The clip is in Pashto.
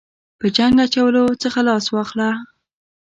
په جنګ اچولو څخه لاس واخله.